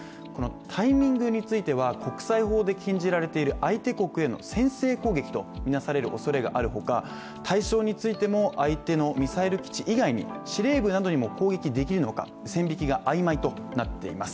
タイミングについては国際法で禁じられている、相手国への先制攻撃とみなされるおそれがあるほか対象についても相手のミサイル基地以外に司令部などにも攻撃できるのか線引きが曖昧となっています。